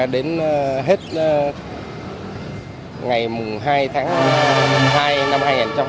đến hết ngày hai tháng hai năm hai nghìn hai mươi